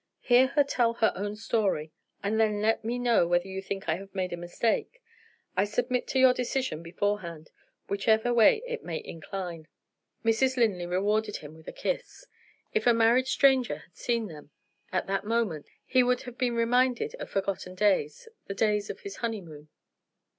Hear her tell her own story, and then let me know whether you think I have made a mistake. I submit to your decision beforehand, whichever way it may incline." Mrs. Linley rewarded him with a kiss. If a married stranger had seen them, at that moment, he would have been reminded of forgotten days the days of his honeymoon.